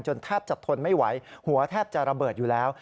แทบจะทนไม่ไหวหัวแทบจะระเบิดอยู่แล้ว